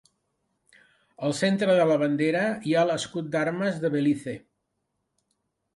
Al centre de la bandera hi ha l'escut d'armes de Belize.